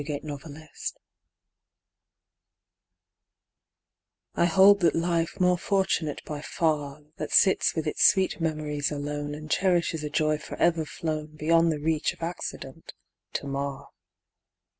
MORE FORTUNATE I hold that life more fortunate by far That sits with its sweet memories alone And cherishes a joy for ever flown Beyond the reach of accident to mar.